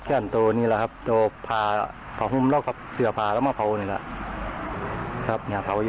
ขอบคุณครับ